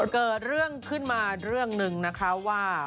เกิดเรื่องขึ้นมาเรื่องหนึ่งนะคะว่า